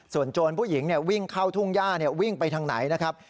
ส่วนโจรผู้หญิงวิ่งเข้าทุ่งย่าวิ่งไปทางไหนนะครับ